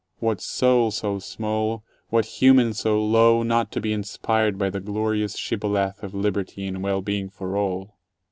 What soul so small, what human so low, not to be inspired by the glorious shibboleth of liberty and well being for all!